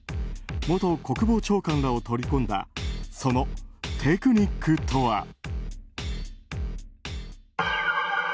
元国防長官らを取り込んだそのテクニックとは。